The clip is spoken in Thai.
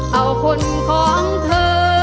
เอาคนของเธอ